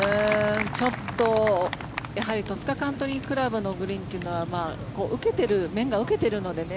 ちょっと戸塚カントリー倶楽部のグリーンというのは面が受けてるのでね。